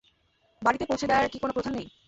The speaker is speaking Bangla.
বাড়িতে পৌঁছে দেওয়ার কী কোনো প্রথা নেই?